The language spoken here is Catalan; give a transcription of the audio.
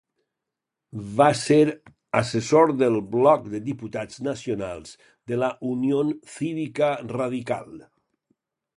Va ser assessor del bloc de diputats nacionals de la Unión Cívica Radical.